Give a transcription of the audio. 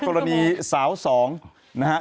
กรณีสาวสองนะครับ